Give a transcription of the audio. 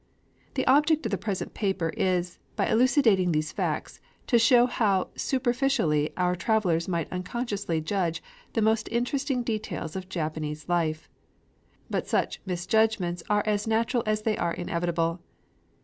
The object of the present paper is, by elucidating these facts, to show how superficially our travellers might unconsciously judge the most interesting details of Japanese life. But such misjudgments are as natural as they are inevitable.